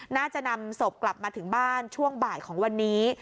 น่าจะนำศพกลับมาถึงบ้านช่วงบ่ายของวันนี้